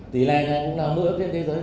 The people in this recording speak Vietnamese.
thì này cũng là mức ước trên thế giới